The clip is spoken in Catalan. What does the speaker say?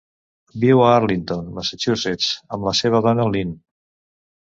Viu a Arlington, Massachusetts, amb la seva dona Lynn.